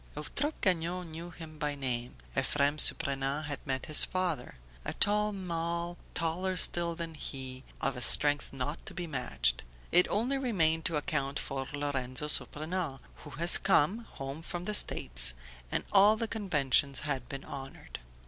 Eutrope Gagnon knew him by name, Ephrem Surprenant had met his father: "A tall man, taller still than he, of a strength not to be matched." it only remained to account for Lorenzo Surprenant, "who has come, home from the States" and all the conventions had been honoured.